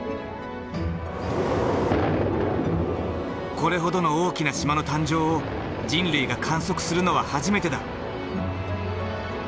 これほどの大きな島の誕生を人類が観測するのは初めてだ。